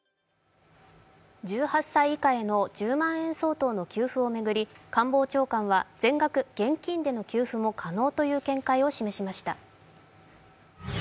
１８歳以下への１０万円相当の給付を巡り官房長官は全額、現金での給付も可能との見解を示しました。